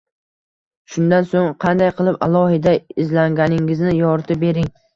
Shundan so’ng qanday qilib alohida izlanganingizni yoritib bering